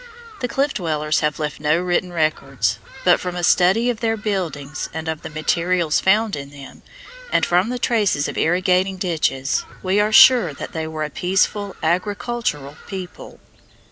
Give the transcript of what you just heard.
The Cliff Dwellers have left no written records, but from a study of their buildings and of the materials found in them, and from the traces of irrigating ditches, we are sure that they were a peaceful, agricultural people.